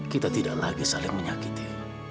kita tidak lagi saling menyakiti